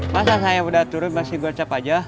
masa saya udah turun masih gocap aja